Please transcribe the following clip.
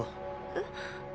えっ。